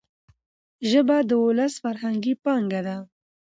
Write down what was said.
ژبه د ولس فرهنګي پانګه ده.